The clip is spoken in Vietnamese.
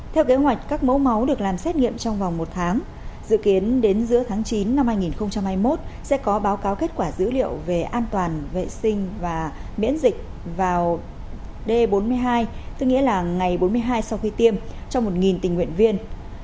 theo kế hoạch các mẫu máu được làm xét nghiệm trong vòng một tháng dự kiến đến giữa tháng chín năm hai nghìn hai mươi một sẽ có báo cáo kết quả dữ liệu về an toàn vệ sinh và miễn dịch vào d bốn mươi hai tức nghĩa là ngày bốn mươi hai sau khi tiêm cho một tình nguyện viên